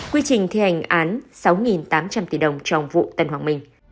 quy trình thi hành án sáu tám trăm linh tỷ đồng trong vụ tân hoàng minh